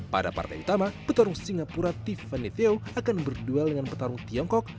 pada partai utama petarung singapura tiffany theo akan berdual dengan petarung tiongkok